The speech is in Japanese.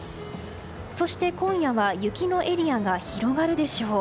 そして、今夜は雪のエリアが広がるでしょう。